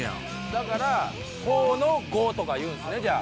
だからほの５とかいうんですね、じゃあ。